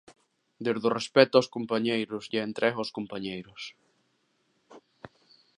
Desde o respecto aos compañeiros e a entrega aos compañeros.